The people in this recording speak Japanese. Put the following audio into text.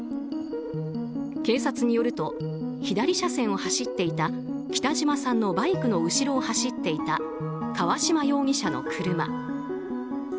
警察によると左車線を走っていた北島さんのバイクの後ろを走っていた川島容疑者の車。